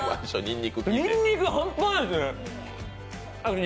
にんにく、半端ないですね。